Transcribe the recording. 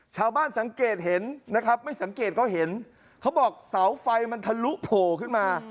สังเกตเห็นนะครับไม่สังเกตก็เห็นเขาบอกเสาไฟมันทะลุโผล่ขึ้นมา